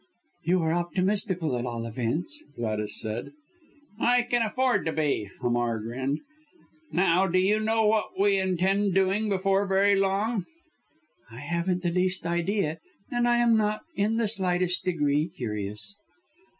"You are optimistical, at all events," Gladys said. "I can afford to be," Hamar grinned. "Now, do you know what we intend doing before very long?" "I haven't the least idea, and I am not in the slightest degree curious."